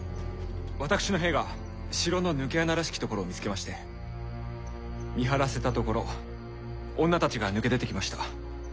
私の兵が城の抜け穴らしき所を見つけまして見張らせたところ女たちが抜け出てきました。